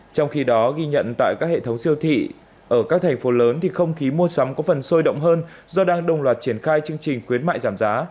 trong khi đó ghi nhận tại các hệ thống siêu thị ở các thành phố lớn thì không khí mua sắm có phần sôi động hơn do đang đồng loạt triển khai chương trình khuyến mại giảm giá